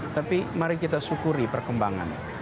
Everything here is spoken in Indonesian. tapi mari kita syukuri perkembangannya